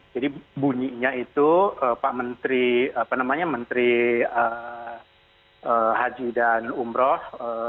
jadi bunyinya itu pak menteri apa namanya menteri haji dan umroh